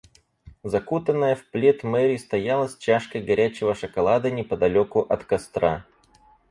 Закутанная в плед Мэри стояла с чашкой горячего шоколада неподалёку от костра.